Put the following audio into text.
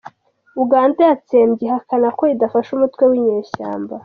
Uganda yatsembye ihakana ko idafasha umutwe winyeshyamba